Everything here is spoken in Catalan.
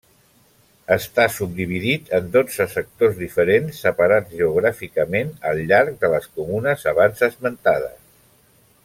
Està subdividit en dotze sectors diferents, separats geogràficament, al llarg de les comunes abans esmentades.